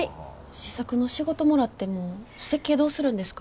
試作の仕事もらっても設計どうするんですか？